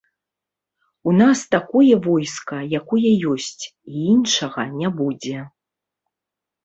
У нас такое войска, якое ёсць, і іншага не будзе.